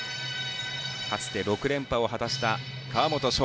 かつて６連覇を果たした川元奨